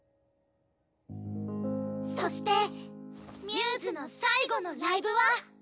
そしてμ’ｓの最後のライブは。